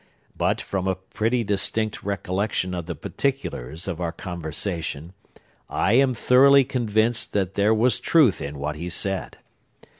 But, from a pretty distinct recollection of the particulars of our conversation, I am thoroughly convinced that there was truth in what he said.